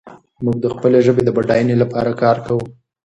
موږ د خپلې ژبې د بډاینې لپاره کار کوو.